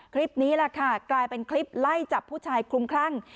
คลิปนี้แหละค่ะกลายเป็นคลิปไล่จับผู้ชายคลุมคลั่ง